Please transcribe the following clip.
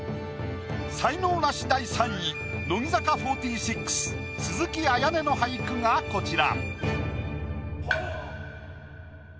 才能ナシ第３位乃木坂４６鈴木絢音の俳句がこちら。